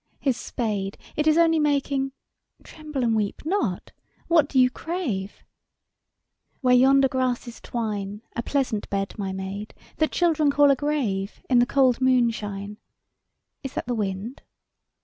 His spade, it Is only making, — (Tremble and weep not I What do you crave ?) Where yonder grasses twine, A pleasant bed, my maid, that Children call a grave, In the cold moonshine. Is that the wind